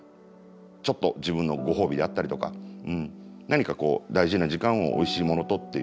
ちょっと自分のご褒美であったりとか何かこう大事な時間をおいしいものとっていう。